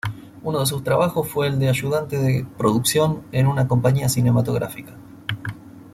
Uno de sus trabajos fue el de ayudante de producción en una compañía cinematográfica.